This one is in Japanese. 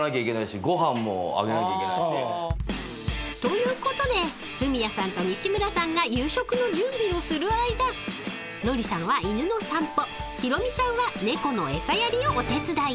［ということでフミヤさんと西村さんが夕食の準備をする間ノリさんは犬の散歩ヒロミさんは猫の餌やりをお手伝い］